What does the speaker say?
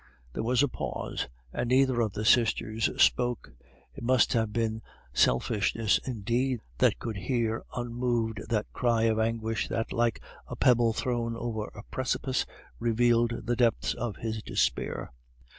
There was a pause, and neither of the sisters spoke. It must have been selfishness indeed that could hear unmoved that cry of anguish that, like a pebble thrown over a precipice, revealed the depths of his despair.